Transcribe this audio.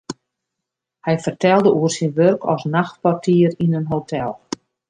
Hy fertelde oer syn wurk as nachtportier yn in hotel.